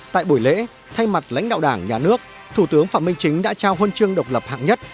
tại buổi lễ thay mặt lãnh đạo đảng nhà nước thủ tướng phạm minh chính đã trao huân chương độc lập hạng nhất